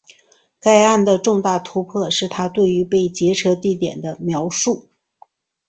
该案的重大突破是她对于被劫车地点的描述。